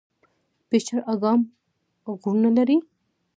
پچیر اګام غرونه لري؟